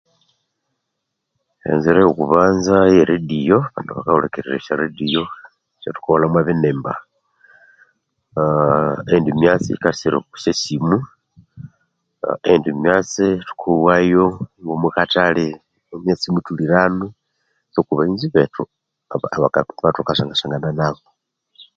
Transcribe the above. Enzira yokubanza eredio abandu bakahulikirira esya rediyo esyathukahulhamo binimba aaa eyindi myatsi yikasira oku syasimu eyindi myatsi thukowayo omukathali emyatsi muthulirano okwa mghenzi bethu thukasanga sangana